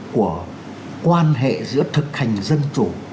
của quan hệ giữa thực hành dân chủ